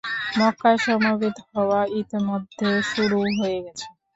মক্কায় সমবেত হওয়া ইতোমধ্যে শুরুও হয়ে গেছে।